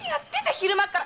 昼間から。